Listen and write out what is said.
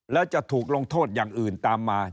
แล้วจะถูกลงโทษอย่างอื่นตามมา